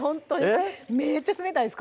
めっちゃ冷たいです